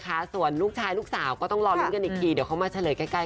ก็ขอบคุณหลายคนที่ส่งเข้ามาในไอจี